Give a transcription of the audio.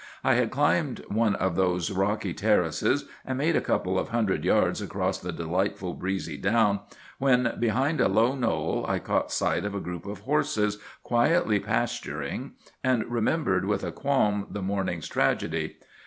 I had climbed one of those rocky terraces, and made a couple of hundred yards across the delightful breezy down, when, behind a low knoll, I caught sight of a group of horses quietly pasturing, and remembered with a qualm the morning's tragedy.